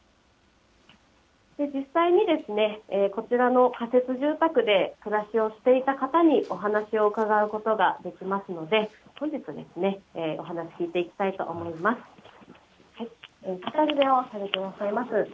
実際に、こちらの仮設住宅で暮らしをしていた方に、お話を伺うことができますので、本日、お話聞いていきたいと思います。